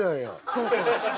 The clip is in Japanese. そうそう。